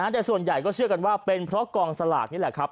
แต่ส่วนใหญ่ก็เชื่อกันว่าเป็นเพราะกองสลากนี่แหละครับ